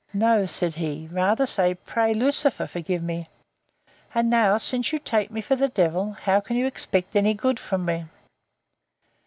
No, said he, rather say, Pray, Lucifer, forgive me! And, now, since you take me for the devil, how can you expect any good from me?